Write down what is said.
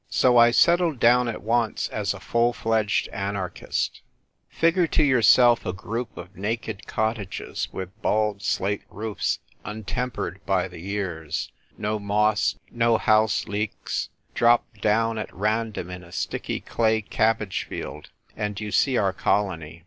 So I settled down at once as a full fledged anarchist. 64 THE TYrii WUITKR GIRL. Figure to yourself a group ol" nuked cutlages, vvitli bald slate roofs un tempered by the years — no moss, no house leeks — dropped down at random in a sticky clay cabbage field — and you see our colony.